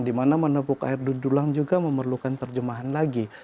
dimana menepuk air di dulang juga memerlukan terjemahan lagi